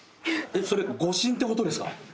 それ誤診ってことですか？